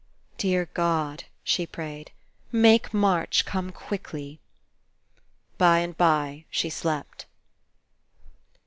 ''Dear God," she prayed, "make March come quickly." By and by she slept.